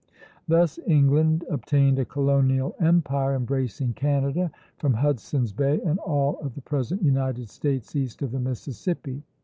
Thus England obtained a colonial empire embracing Canada, from Hudson's Bay, and all of the present United States east of the Mississippi.